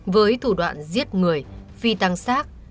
với thủ đoạn giết người phi tăng sát